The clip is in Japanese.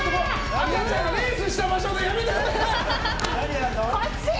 赤ちゃんのレースした場所でやめてください。